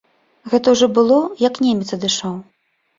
Гэта ўжо было, як немец адышоў.